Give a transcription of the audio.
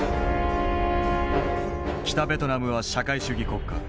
北ベトナムは社会主義国家。